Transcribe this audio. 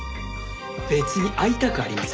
別に会いたくありません。